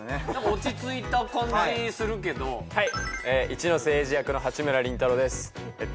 落ち着いた感じするけどはいはい一之瀬栄治役の八村倫太郎です